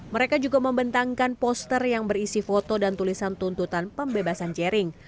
mereka juga membentangkan poster yang berisi foto dan tulisan tuntutan pembebasan jering